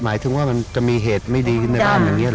หมายถึงว่ามันจะมีเหตุไม่ดีขึ้นในบ้านอย่างนี้เห